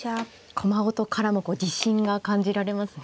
駒音からも自信が感じられますね。